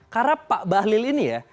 karena pak bahlil ini ya